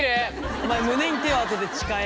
お前胸に手を当てて誓え。